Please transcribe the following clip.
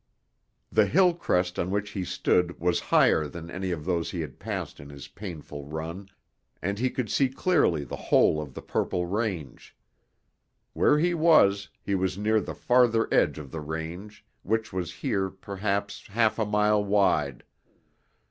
The hill crest on which he stood was higher than any of those he had passed in his painful run, and he could see clearly the whole of the purple range. Where he was, he was near the farther edge of the range, which was here perhaps half a mile wide.